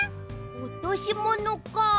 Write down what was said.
おとしものかあ。